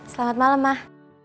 selamat malam mah